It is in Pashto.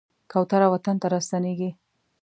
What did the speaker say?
کوتره وطن ته راستنېږي.